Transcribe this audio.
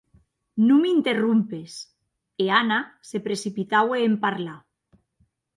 Non m'interrompes, e Anna se precipitaue en parlar.